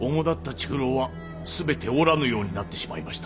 中臈は全ておらぬようになってしまいました。